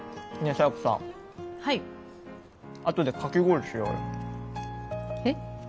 佐弥子さんはいあとでかき氷しようよえっ？